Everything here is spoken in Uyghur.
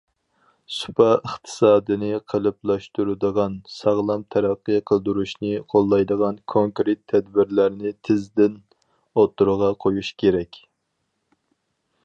سۇپا ئىقتىسادىنى قېلىپلاشتۇرىدىغان، ساغلام تەرەققىي قىلدۇرۇشنى قوللايدىغان كونكرېت تەدبىرلەرنى تېزدىن ئوتتۇرىغا قويۇش كېرەك.